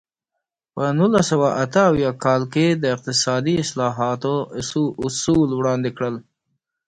په نولس سوه اته اویا کال کې د اقتصادي اصلاحاتو اصول وړاندې کړل.